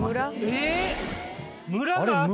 えっ！